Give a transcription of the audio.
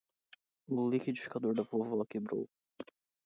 O liquidificador da vovó quebrou.